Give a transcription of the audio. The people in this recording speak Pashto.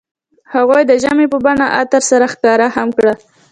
هغوی د ژمنې په بڼه عطر سره ښکاره هم کړه.